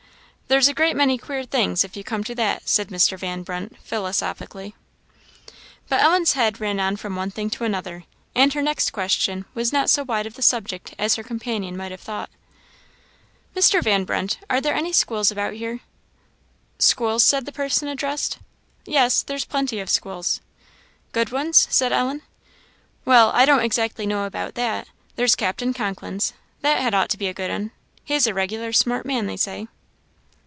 there's a great many queer things, if you come to that," said Mr. Van Brunt, philosophically. But Ellen's head ran on from one thing to another, and her next question was not so wide of the subject as her companion might have thought. "Mr. Van Brunt, are there any schools about here?" "Schools?" said the person addressed; "yes there's plenty of schools." "Good ones?" said Ellen. "Well, I don't exactly know about that; there's Captain Conklin's, that had ought to be a good 'un; he's a regular smart man, they say."